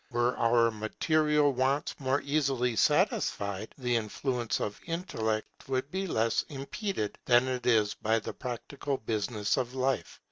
Were our material wants more easily satisfied, the influence of intellect would be less impeded than it is by the practical business of life.